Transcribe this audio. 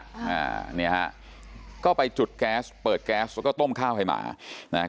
อ่าเนี่ยฮะก็ไปจุดแก๊สเปิดแก๊สแล้วก็ต้มข้าวให้มานะฮะ